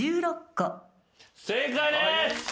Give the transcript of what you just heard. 正解です。